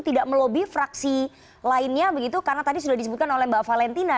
tidak melobi fraksi lainnya begitu karena tadi sudah disebutkan oleh mbak valentina